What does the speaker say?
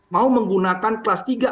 mau menggunakan kelas tiga